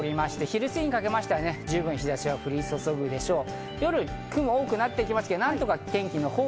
昼過ぎにかけては十分、日差しが降り注ぐでしょう。